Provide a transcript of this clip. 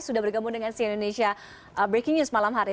sudah bergabung dengan si indonesia breaking news malam hari